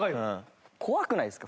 怖くないですか？